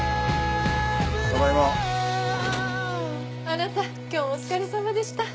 あなた今日もお疲れさまでした。